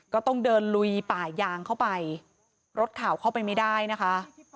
ก็ต้องเดินลุยป่ายางเข้าไปรถข่าวเข้าไปไม่ได้นะคะ